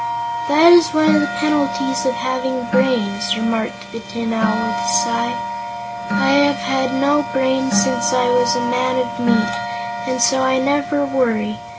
"That is one of the penalties of having brains," remarked the Tin Owl with a sigh. "I have had no brains since I was a man of meat, and so I never worry.